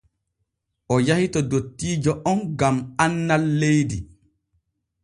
O yahi to dottiijo on gam annal leydi.